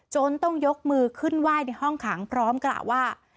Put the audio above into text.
จนต้องยกมือขึ้นไหว้ในห้องขังพร้อมกล่าวว่า